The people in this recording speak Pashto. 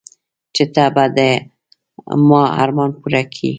چې ته به د ما ارمان پوره كيې.